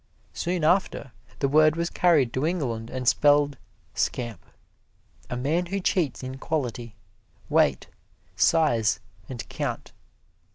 Soon after, the word was carried to England and spelled "scamp" a man who cheats in quality, weight, size and count.